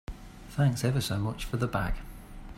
Thanks ever so much for the bag.